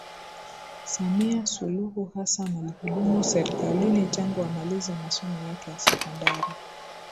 Samia Suluhu Hassan alihudumu Serikalini tangu amalize masomo yake ya sekondari